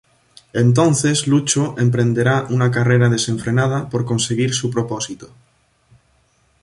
Entonces Lucho emprenderá una carrera desenfrenada por conseguir su propósito.